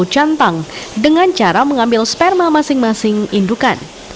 kerapu kertang dengan cara mengambil sperma masing masing indukan